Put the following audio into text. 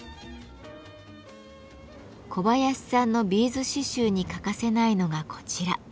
小林さんのビーズ刺繍に欠かせないのがこちら。